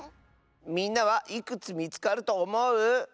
みんなはいくつみつかるとおもう？